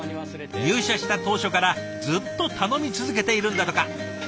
入社した当初からずっと頼み続けているんだとか。